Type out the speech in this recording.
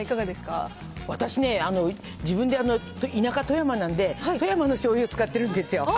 私ね、自分で田舎、富山なんで、富山の醤油使ってるんですよ。